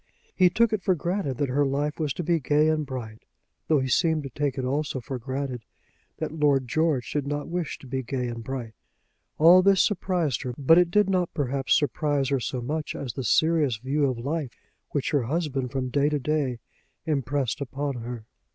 He took it for granted that her life was to be gay and bright, though he seemed to take it also for granted that Lord George did not wish to be gay and bright. All this surprised her. But it did not perhaps surprise her so much as the serious view of life which her husband from day to day impressed upon her.